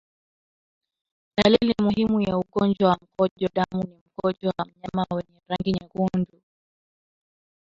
Dalili muhimu ya ugonjwa wa mkojo damu ni mkojo wa mnyama wenye rangi nyekundu